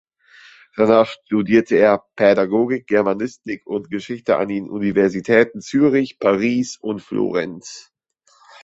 Danach studierte er Pädagogik, Germanistik und Geschichte an den Universitäten Zürich, Paris und Florenz.